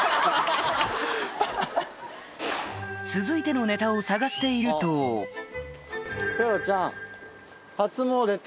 続いてのネタを探しているとペロちゃん。